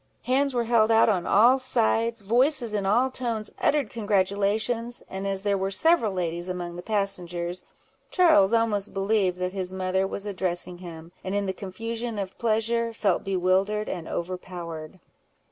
Hands were held out on all sides—voices in all tones uttered congratulations; and as there were several ladies among the passengers, Charles almost believed that his mother was addressing him, and in the confusion of pleasure, felt bewildered and overpowered.